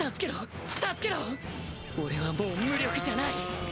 俺はもう無力じゃない。